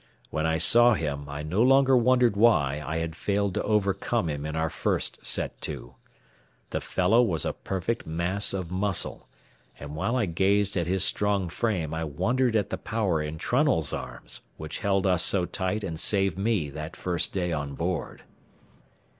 When I saw him, I no longer wondered why I had failed to overcome him in our first set to. The fellow was a perfect mass of muscle, and while I gazed at his strong frame I wondered at the power in Trunnell's arms, which held us so tight and saved me that first day on board.